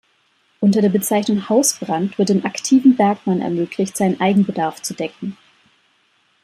Unter der Bezeichnung "Hausbrand" wird dem aktiven Bergmann ermöglicht seinen Eigenbedarf zu decken.